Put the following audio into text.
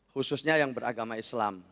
khususnya yang beragama islam